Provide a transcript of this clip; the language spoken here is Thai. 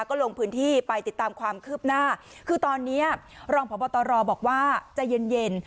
ก็ลงพื้นที่ไปติดตามความคืบหน้าคือตอนนี้รองพบตรบอกว่าใจเย็นเย็น